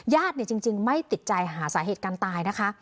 จริงไม่ติดใจหาสาเหตุการณ์ตายนะคะ